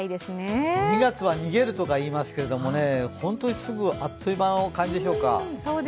２月は逃げるとかいいますけど本当にすぐ、あっという間の感じでしょうか。